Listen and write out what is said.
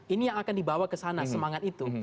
ini yang akan dibawa ke sana semangat itu